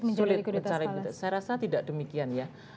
mencari ikutan falas saya rasa tidak demikian ya